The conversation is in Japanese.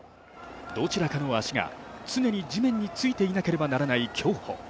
どちらかの足が常に地面についていなければならない競歩。